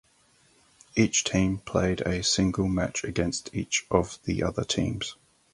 Each team played a single match against each of the other teams.